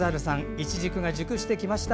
イチジクが熟してきました。